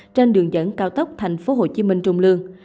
trên đường dẫn cao tốc tp hcm trùng lương